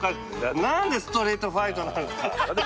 何でストリートファイトなんすか。